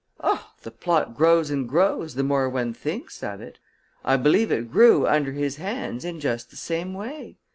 "Oh, the plot grows and grows, the more one thinks of it! I believe it grew under his hands in just the same way.